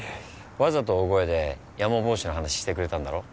わざと大声でヤマボウシの話してくれたんだろ？